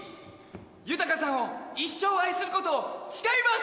ゆたかさんを一生愛することを誓います